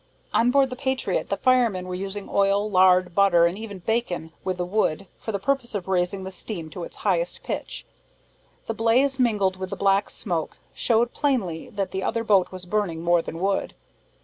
On board the Patriot, the firemen were using oil, lard, butter, and even bacon, with the wood, for the purpose of raising the steam to its highest pitch. The blaze, mingled with the black smoke, showed plainly that the other boat was burning more than wood.